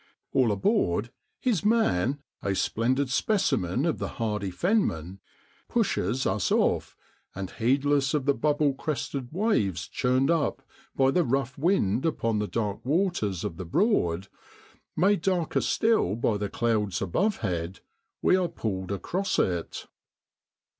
All aboard, his 14 JANUARY IN BPOADLAND. man, a splendid specimen of the hardy fenman, pushes us off, and heedless of the bubble crested waves churned up by the rough wind upon the dark waters of the Broad made darker still by the clouds above head we are pulled across it.